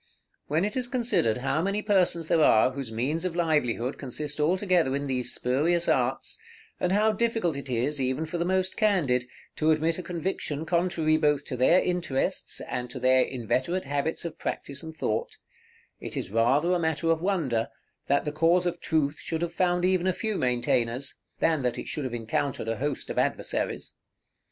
When it is considered how many persons there are whose means of livelihood consist altogether in these spurious arts, and how difficult it is, even for the most candid, to admit a conviction contrary both to their interests and to their inveterate habits of practice and thought, it is rather a matter of wonder, that the cause of Truth should have found even a few maintainers, than that it should have encountered a host of adversaries.